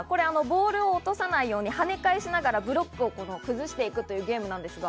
ボールを落とさないようにはね返しながらブロックを崩していくというゲームなんですが。